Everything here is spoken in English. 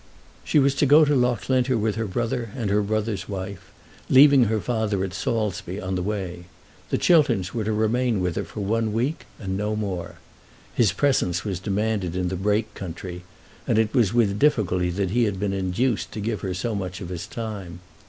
] She was to go to Loughlinter with her brother and her brother's wife, leaving her father at Saulsby on the way. The Chilterns were to remain with her for one week, and no more. His presence was demanded in the Brake country, and it was with difficulty that he had been induced to give her so much of his time.